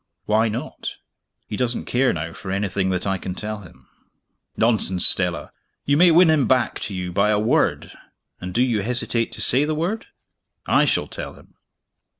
"Why not?" "He doesn't care, now, for anything that I can tell him." "Nonsense, Stella! You may win him back to you by a word and do you hesitate to say the word? I shall tell him!"